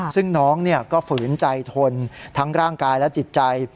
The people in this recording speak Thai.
ซึ่งน้องก็ฝืนใจทนทั้งร่างกายและจิตใจ